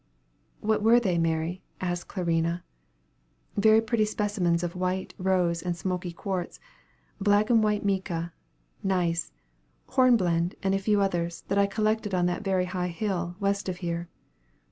"What were they, Mary?" asked Clarina. "Very pretty specimens of white, rose, and smoky quartz, black and white mica, gneiss, hornblende, and a few others, that I collected on that very high hill, west of here."